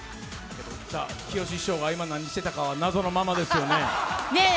きよし師匠が今何してたかは謎のままでしたよね。